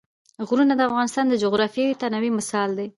غرونه د افغانستان د جغرافیوي تنوع مثال دی.